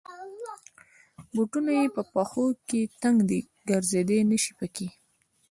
بوټونه یې په پښو کې تنګ دی. ګرځېدای نشی پکې.